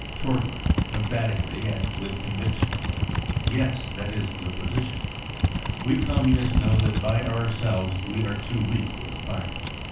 9 Torgler (emphatically and with conviction) : 4 Yes, that is the position. We Communists know that by our selves we are too weak for the fight.